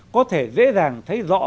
có thể dễ dàng thấy rõ